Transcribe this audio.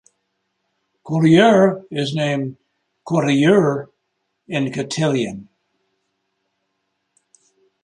Collioure is named "Cotlliure" in Catalan.